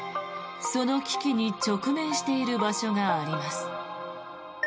その危機に直面している場所があります。